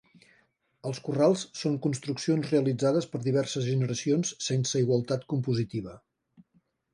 Els corrals són construccions realitzades per diverses generacions sense igualtat compositiva.